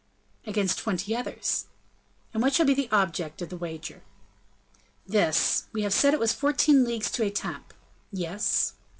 "Against twenty others." "And what shall be the object of the wager?" "This. We have said it was fourteen leagues to Etampes." "Yes."